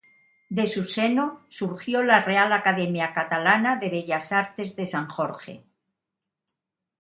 De su seno surgió la Real Academia Catalana de Bellas Artes de San Jorge.